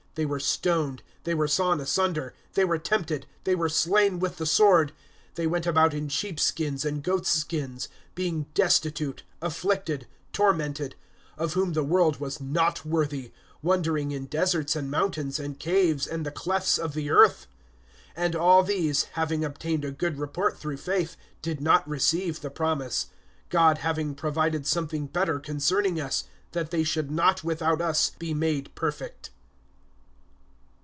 (37)They were stoned, they were sawn asunder, they were tempted, they were slain with the sword; they went about in sheep skins and goats' skins, being destitute, afflicted, tormented; (38)of whom the world was not worthy; wandering in deserts and mountains and caves, and the clefts of the earth. (39)And all these, having obtained a good report through faith, did not receive the promise; (40)God having provided something better concerning us, that they should not without us be made perfect.